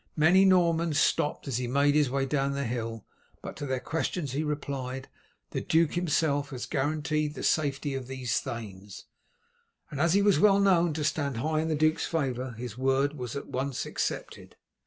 Many Normans stopped as he made his way down the hill, but to their questions he replied, "The duke has himself guaranteed the safety of these thanes," and as he was well known to stand high in the duke's favour his word was at once accepted.